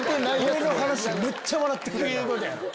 俺の話めっちゃ笑ってくれる。